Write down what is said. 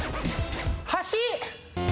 橋！